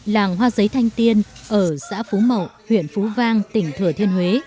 làng hoa giấy thanh tiên ở xã phú mậu huyện phú vang tỉnh thừa thiên huế